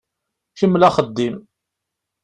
Kemmel axeddim.